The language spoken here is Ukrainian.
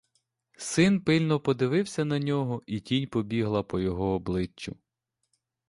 Син пильно подивився на нього, і тінь пробігла по його обличчю.